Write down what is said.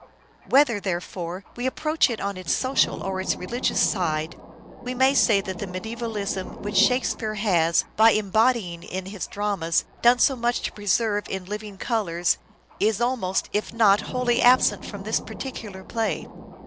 Whether, therefore, we approach it on its social or its religious side, we may say that the medievalism which " Shakespeare " has, by embodying in his dramas, done so much to preserve in living colours, is almost, if not wholly absent from this particular play.